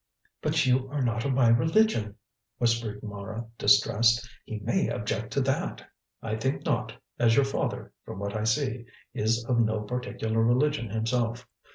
"But you are not of my religion!" whispered Mara distressed; "he may object to that." "I think not, as your father, from what I saw, is of no particular religion himself.